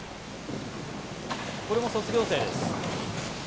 これも卒業生です。